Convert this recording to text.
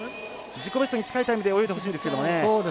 自己ベストに近いタイムで泳いでほしいんですけどもね。